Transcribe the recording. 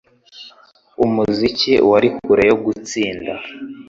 Umuziki wari kure yo gutsinda.